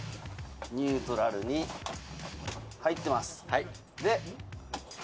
ニュートラルに入ってます。